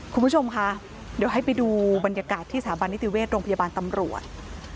คุณผู้ชมค่ะเดี๋ยวให้ไปดูบรรยากาศที่สถาบันนิติเวชโรงพยาบาลตำรวจ